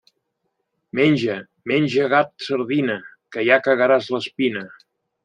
Menja, menja, gat, sardina, que ja cagaràs l'espina.